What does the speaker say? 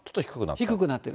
低くなっている。